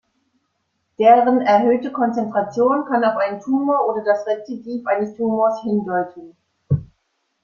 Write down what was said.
Deren erhöhte Konzentration kann auf einen Tumor oder das Rezidiv eines Tumors hindeuten.